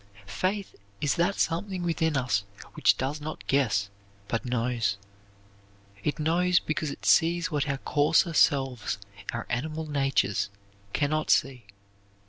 Faith is that something within us which does not guess, but knows. It knows because it sees what our coarser selves, our animal natures can not see.